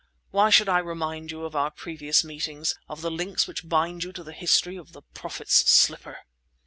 Why should I remind you of our previous meetings—of the links which bind you to the history of the Prophet's slipper?"